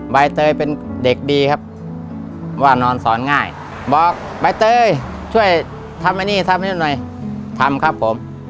ใบเตยเป็นเด็กดีครับว่านอนสอนง่ายบอกใบเตยช่วยทำไอ้นี่ทำไอ้นี่หน่อยทำครับผม